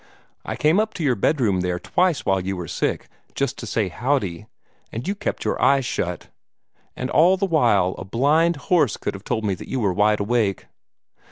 I came up to your bedroom there twice while you were sick, just to say 'howdy,' and you kept your eyes shut, and all the while a blind horse could have told that you were wide awake."